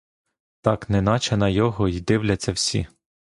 Так неначе на його й дивляться всі.